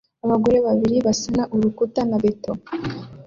Abagore babiri basana urukuta na beto